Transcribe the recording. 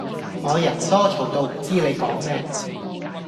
我人多嘈到唔知你講咩